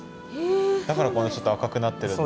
だからこれちょっと赤くなってるんだ。